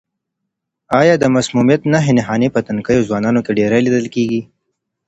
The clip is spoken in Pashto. آیا د مسمومیت نښې نښانې په تنکیو ځوانانو کې ډېرې لیدل کیږي؟